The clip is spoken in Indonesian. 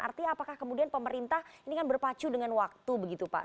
artinya apakah kemudian pemerintah ini kan berpacu dengan waktu begitu pak